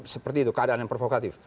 seperti itu keadaan yang provokatif